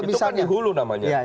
itu kan dihulu namanya